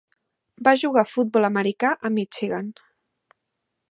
Va jugar a futbol americà a Michigan.